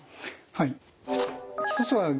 はい。